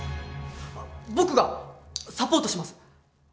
僕がサポートします！